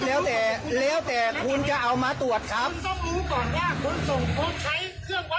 แล้วแต่แล้วแต่คุณจะเอามาตรวจครับคุณต้องรู้ก่อนท่าขนส่งควบคล้ายเครื่องวัดแบบไหน